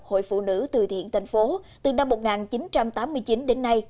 hội phụ nữ từ thiện thành phố từ năm một nghìn chín trăm tám mươi chín đến nay